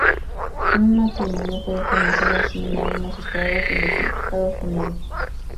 Un matrimonio puede comenzar así en algunos estados de los Estados Unidos.